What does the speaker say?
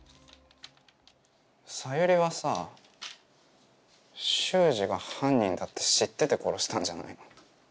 さゆりはさ秀司が犯人だって知ってて殺したんじゃないの？